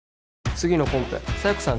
次のコンペ佐弥子さん